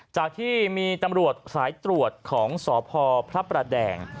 จากที่มีตำรวจสายตรวจของสพพระประแดง